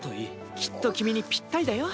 きっと君にぴったりだよ。